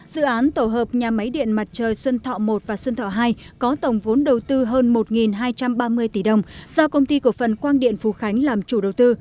dự án tổ hợp nhà máy điện mặt trời xuân thọ một và xuân thọ hai có tổng vốn đầu tư hơn một hai trăm ba mươi tỷ đồng do công ty cổ phần quang điện phú khánh làm chủ đầu tư